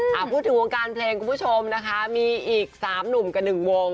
เอาพูดถึงวงการเพลงคุณผู้ชมนะคะมีอีกสามหนุ่มกับหนึ่งวง